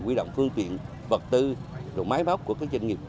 quy động phương tiện vật tư máy bóc của các doanh nghiệp